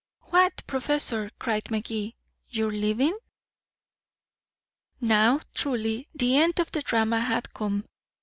"What, Professor," cried Magee, "you're leaving?" Now, truly, the end of the drama had come. Mr.